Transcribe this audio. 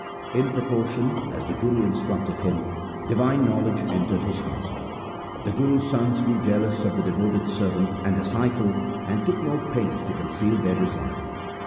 In proportion as the Guru instructed him, divine knowledge entered his heart. The Guru's sons grew jealous of the devoted servant and disciple, and took no pains to conceal their dis like.